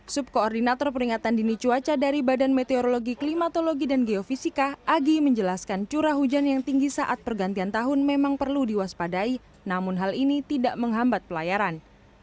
subkoordinator peringatan dini cuaca dari badan meteorologi klimatologi dan geofisika agi menjelaskan curah hujan yang tinggi saat pergantian tahun memang perlu diwaspadai namun hal ini tidak menghambat pelayaran